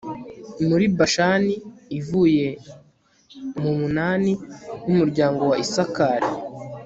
muri bashani ivuye mu munani w'umuryango wa isakari